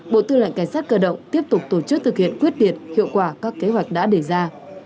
bộ tư lệnh cảnh sát cơ động tiếp tục tổ chức thực hiện quyết liệt hiệu quả các kế hoạch đã đề ra